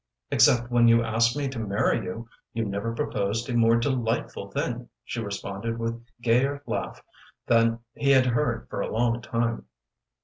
"Except when you asked me to marry you you never proposed a more delightful thing," she responded with gayer laugh than he had heard for a long time.